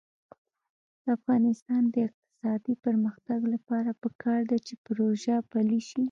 د افغانستان د اقتصادي پرمختګ لپاره پکار ده چې پروژه پلي شي.